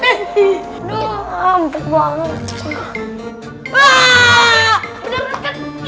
wah udah berangkat